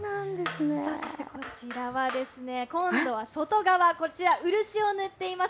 そしてこちらはですね、今度は外側、こちら、漆を塗っています。